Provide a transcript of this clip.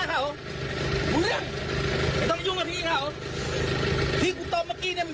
ไอ้เจ้าไม่ต้องยุ้งวันหนี้เขา